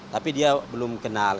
tapi dia belum kenal